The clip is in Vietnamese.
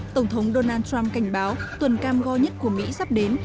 tổng thống donald trump cảnh báo tuần cam go nhất của mỹ sắp đến